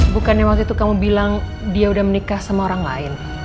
bukannya waktu itu kamu bilang dia udah menikah sama orang lain